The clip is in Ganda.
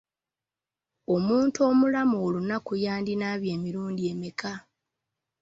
Omuntu omulamu olunaku yandinaabye emirundi emeka?